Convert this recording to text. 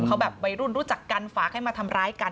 เขาแบบวัยรุ่นรู้จักกันฝากให้มาทำร้ายกัน